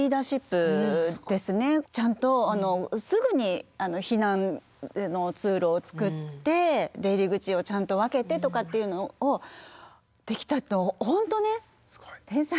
ちゃんとすぐに避難の通路を作って出入り口をちゃんと分けてとかっていうのをできたというのは本当ね天才。